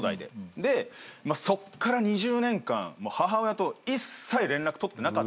でそっから２０年間母親と一切連絡取ってなかったんですよ。